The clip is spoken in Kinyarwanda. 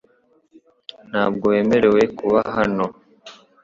Ntabwo wemerewe kuba hano .